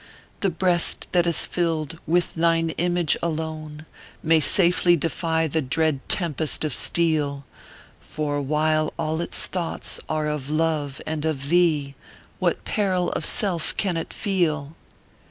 " The breast that is filled with thine image alone, May safely defy the dread tempest of steel ; For while ail its thoughts are of love and of thee, What peril of Self can it feel?"